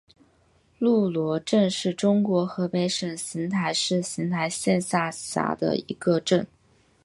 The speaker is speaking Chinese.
路罗镇是中国河北省邢台市邢台县下辖的一个镇。